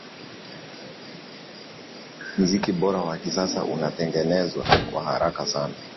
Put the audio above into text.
muziki bora wa kisasa unatengenezwa kwa haraka sana